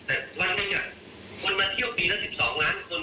แต่วันหนึ่งคนมาเที่ยวปีละ๑๒ล้านคน